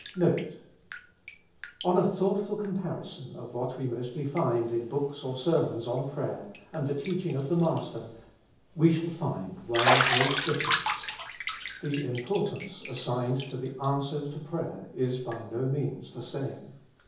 NOTE. On a thoughtful comparison of what we mostly find in books or sermons on prayer, and the teaching of the Master, we shall find one great difference : the importance assigned to the answer to prayer is by no means the same.